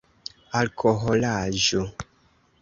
alkoholaĵo